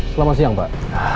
selamat siang pak